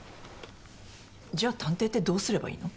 じゃあ探偵ってどうすればいいの？